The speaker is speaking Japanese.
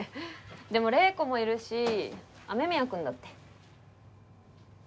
でも玲子もいるし雨宮くんだって。